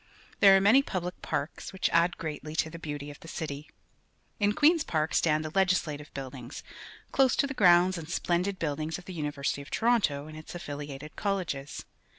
There are many public parks which add greatlj' to the "beauty of the city. In Queen's Park stand the Legislative Buildings, close to the grounds and splendid buildings of the L^ni versity of Toronto and its affiliated colleges.